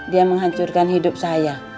dia menghancurkan hidup saya